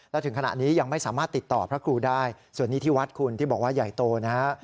และถึงขณะนี้ยังไม่สามารถติดต่อพระครูได้ส่วนนี้ที่วัดคุณที่บอกว่าใหญ่โตนะฮะ